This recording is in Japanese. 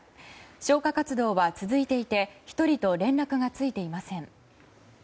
消火活動は続いていて１人と連絡がついていません。